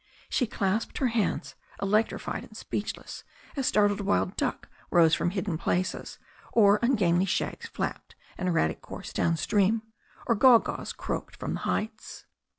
She clasped her hands, electrified and speechless, as startled wild duck rose from hidden places, or ungainly shags flapped an erratic course down stream, or gawgaws croaked from the heights.